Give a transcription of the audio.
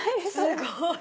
すごい！